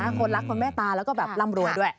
คนรักคนแม่ตาแล้วก็แบบร่ำรวยด้วย